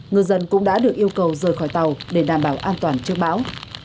ngư dân cũng đã được yêu cầu rời khỏi tàu để đảm bảo an toàn trước bão